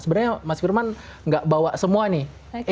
sebenarnya mas firman nggak bawa semua nih